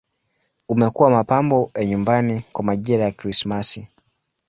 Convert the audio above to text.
Umekuwa mapambo ya nyumbani kwa majira ya Krismasi.